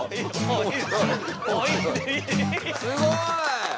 すごい！